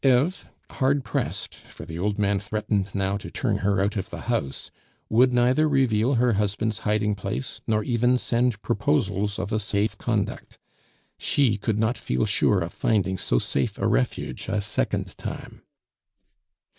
'" Eve, hard pressed (for the old man threatened now to turn her out of the house), would neither reveal her husband's hiding place, nor even send proposals of a safe conduct. She could not feel sure of finding so safe a refuge a second time.